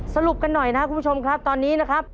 สรุปกันหน่อยนะครับคุณผู้ชมครับตอนนี้นะครับ